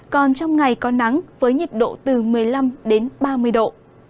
còn trong ngày có nắng với nhiệt độ từ một mươi năm đến ba mươi độ